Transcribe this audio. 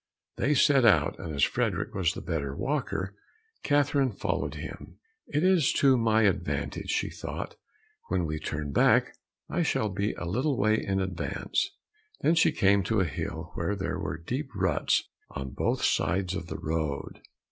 They set out, and as Frederick was the better walker, Catherine followed him. "It is to my advantage," thought she, "when we turn back I shall be a little way in advance." Then she came to a hill where there were deep ruts on both sides of the road.